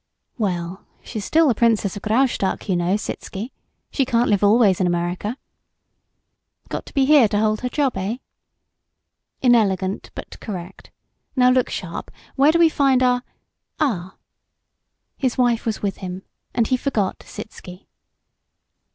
"Well, she's still the Princess of Graustark, you know, Sitzky. She can't live always in America." "Got to be here to hold her job, eh?" "Inelegant but correct. Now, look sharp! Where do we find our Ah!" His wife was with him and he forgot Sitzky.